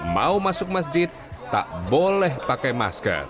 mau masuk masjid tak boleh pakai masker